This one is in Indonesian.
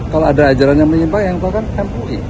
kalau ada ajaran yang mengimpakan yang itu kan mui